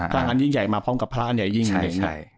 พลังอันยิ่งใหญ่มาพร้อมกับพระอันยิ่งอันยิ่ง